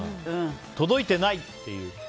届いてない！っていう。